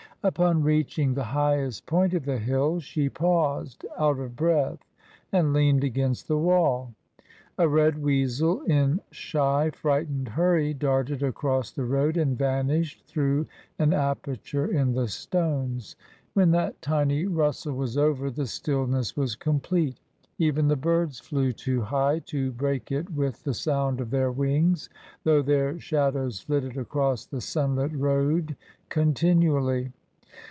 Upon reaching the highest point of the hill she paused, out of breath, and leaned against the wall. A red weasel in shy, frightened hurry darted across the road and van ished through an aperture in the stones. When that tiny rustle was over, the stillness was complete. Even 40 TRANSITION. the birds flew too high to break it with the sound of their wings, though their shadows flitted across the sunlit road continually.